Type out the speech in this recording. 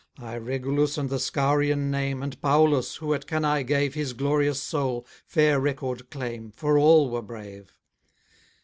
Ay, Regulus and the Scaurian name, And Paullus, who at Cannae gave His glorious soul, fair record claim, For all were brave.